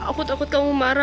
aku takut kamu marah kal